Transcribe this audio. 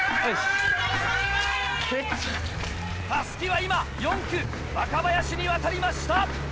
襷は今４区若林に渡りました。